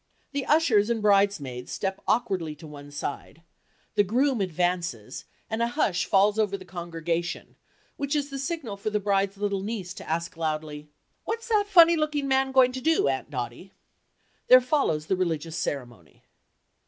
The ushers and bridesmaids step awkwardly to one side; the groom advances and a hush falls over the congregation which is the signal for the bride's little niece to ask loudly, "What's that funny looking man going to do, Aunt Dotty?" Then follows the religious ceremony.